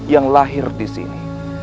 yang lahir disini